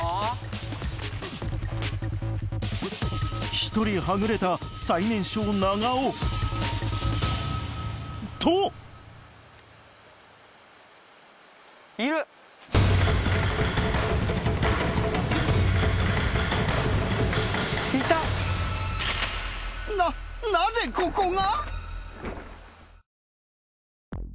１人はぐれた最年少長尾とななぜここが？